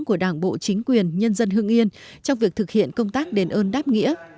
của đảng bộ chính quyền nhân dân hương yên trong việc thực hiện công tác đền ơn đáp nghĩa